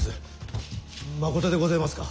まことでごぜえますか？